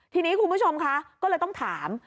ทีนี้คุณผู้ชมคะก็เลยต้องถาม